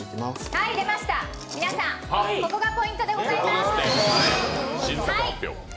はい、出ました、皆さん、ここがポイントでございます。